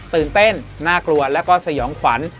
ตื่นเต้นน่ากลัวแล้วก็สยองขวัญ